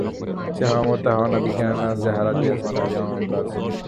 যাহা অমর তাহা অনাদি, কেন না যাহার আদি আছে, তাহারই অন্ত আছে।